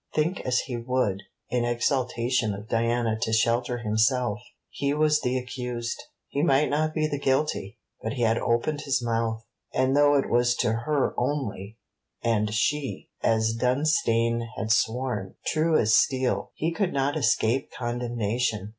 Think as he would in exaltation of Diana to shelter himself, he was the accused. He might not be the guilty, but he had opened his mouth; and though it was to her only, and she, as Dunstane had sworn, true as steel, he could not escape condemnation.